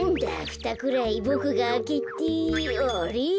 ふたくらいボクがあけてあれ？